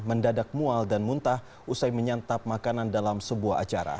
mendadak mual dan muntah usai menyantap makanan dalam sebuah acara